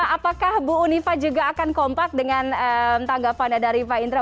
apakah bu unifah juga akan kompak dengan tanggapannya dari pak indra